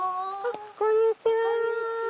こんにちは。